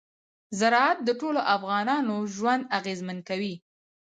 زراعت د ټولو افغانانو ژوند اغېزمن کوي.